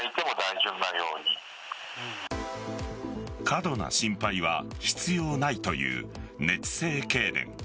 過度な心配は必要ないという熱性けいれん。